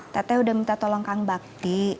tete udah minta tolong kang bakti